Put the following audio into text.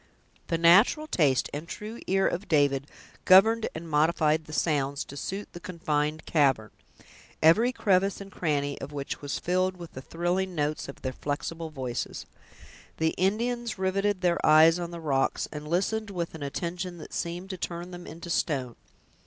The natural taste and true ear of David governed and modified the sounds to suit the confined cavern, every crevice and cranny of which was filled with the thrilling notes of their flexible voices. The Indians riveted their eyes on the rocks, and listened with an attention that seemed to turn them into stone.